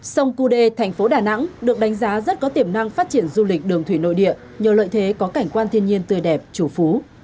sông cú đê thành phố đà nẵng được đánh giá rất có tiềm năng phát triển du lịch đường thủy nội địa nhờ lợi thế có cảnh quan thiên nhiên tươi đẹp chủ phú